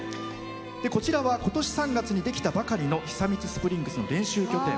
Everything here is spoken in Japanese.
こちらは今年３月にできたばかりの久光スプリングスの練習拠点。